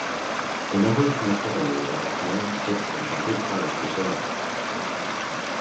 A number of commercial vendors offer plans, kits and complete cars for sale.